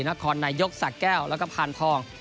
นครนายกสะแก้วแล้วก็พานทอง